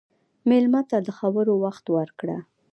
مېلمه ته له خبرو وخت ورکړه.